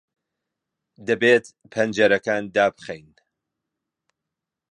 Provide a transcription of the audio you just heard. دەبێت پەنجەرەکان دابخەین.